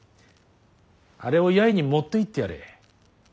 あれを八重に持っていってやれ。